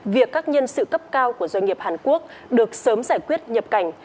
doanh nghiệp hàn quốc được sớm giải quyết nhập cảnh